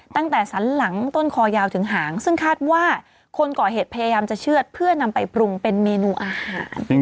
ตั้งแต่สันหลังต้นคอยาวถึงหางซึ่งคาดว่าคนก่อเหตุพยายามจะเชื่อดเพื่อนำไปปรุงเป็นเมนูอาหาร